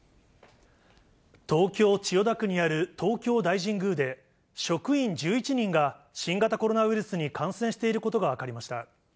東京・千代田区にある東京大神宮で、職員１１人が新型コロナウイルスに感染していることが分かりました。